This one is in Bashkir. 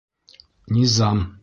Низам.